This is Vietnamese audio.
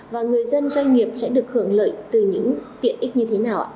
và người dân doanh nghiệp sẽ được hưởng lợi từ những tiện ích như thế nào